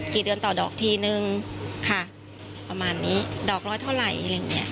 เดือนต่อดอกทีนึงค่ะประมาณนี้ดอกร้อยเท่าไหร่อะไรอย่างเงี้ย